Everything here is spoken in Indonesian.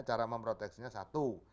cara memproteksinya satu